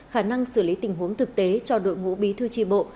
khả năng xử lý tình huống thực tế cho đội ngũ bí thư tri bộ